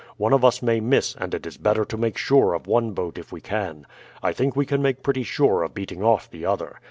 One of us may miss, and it is better to make sure of one boat if we can. I think we can make pretty sure of beating off the other.